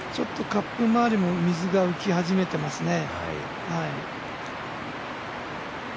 カップ周りも水が浮き始めていますね。